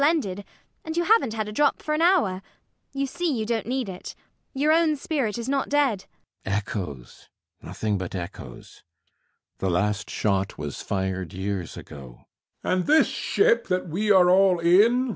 ELLIE. Splendid! And you haven't had a drop for an hour. You see you don't need it: your own spirit is not dead. CAPTAIN SHOTOVER. Echoes: nothing but echoes. The last shot was fired years ago. HECTOR. And this ship that we are all in?